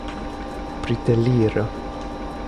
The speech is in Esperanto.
briteliro